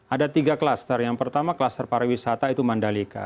ada tiga klaster yang pertama klaster para wisata itu mandalika